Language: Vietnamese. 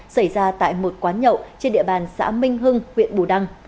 xảy ra tại một quán nhậu trên địa bàn xã minh hưng huyện bù đăng